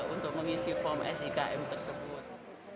untuk mengisi form sikm tersebut